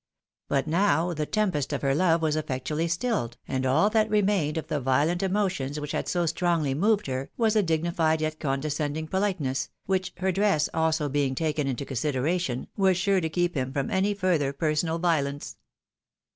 But now the tempest of her love was effectually stiUed, and all that remained of the violent emotions which had so strongly moved her, was a dignified yet condescending politeness, which, her dress also being taken into consideration, was sure to keep him from any further personal violence.